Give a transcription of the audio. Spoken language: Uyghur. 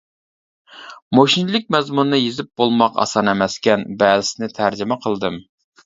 مۇشۇنچىلىك مەزمۇننى يېزىپ بولماق ئاسان ئەمەسكەن، بەزىسىنى تەرجىمە قىلدىم.